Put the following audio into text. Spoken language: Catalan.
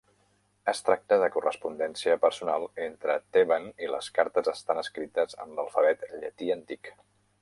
Es tracta de correspondència personal entre Theban i les cartes estan escrites en l"alfabet llatí antic.